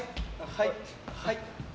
はい、はい。